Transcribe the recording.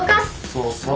そうそう。